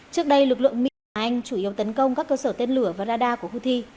trước đây lực lượng mỹ và anh chủ yếu tấn công các cơ sở tên lửa và radar của houthi